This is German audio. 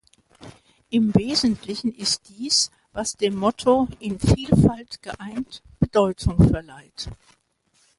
Im Wesentlichen ist dies, was dem Motto "In Vielfalt geeint" Bedeutung verleiht.